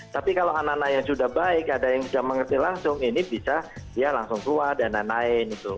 tapi kalau anak anak yang sudah baik ada yang sudah mengerti langsung ini bisa dia langsung keluar dan lain lain